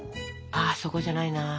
あそこじゃないな。